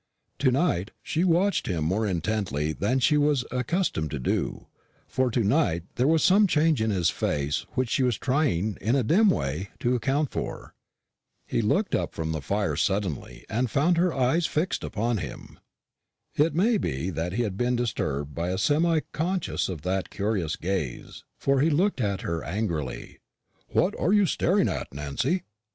To night she watched him more intently than she was accustomed to do, for to night there was some change in his face which she was trying in a dim way to account for. He looked up from the fire suddenly, and found her eyes fixed upon him. It may be that he had been disturbed by a semi consciousness of that curious gaze, for he looked at her angrily, "What are you staring at, Nancy?"